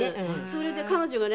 それで彼女がね